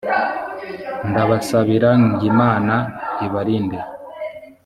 ndabasabira ngimana ibarinde.